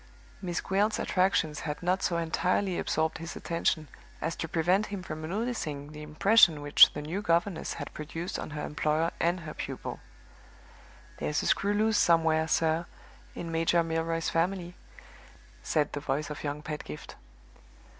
Miss Gwilt's attractions had not so entirely absorbed his attention as to prevent him from noticing the impression which the new governess had produced on her employer and her pupil. "There's a screw loose somewhere, sir, in Major Milroy's family," said the voice of young Pedgift.